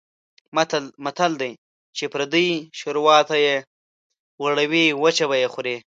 متل دی: چې پردۍ شوروا ته یې وړوې وچه به یې خورې.